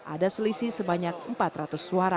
ada selisih sebanyak empat ratus suara